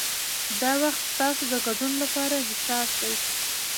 دا وخت ستاسو د ګډون لپاره حساس دی.